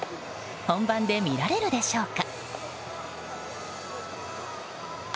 本番で見られるでしょうか。